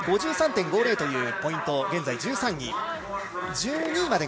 ５３．５０というポイントで現在１３位。